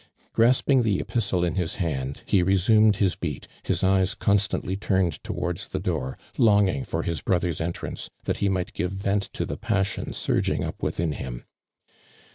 (iras))ing the epistle in his hand, he re iiuined his beat, his eyes constantly turned towards theckoor, longing for his brother's entrance that he might give vent to the passion surging up within him.